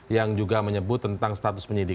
yang juga menyebut tentang status penyidikan